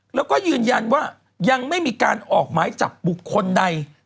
แล้วก็ยืนยันว่ายังไม่มีการออกหมายจับบุคคลใด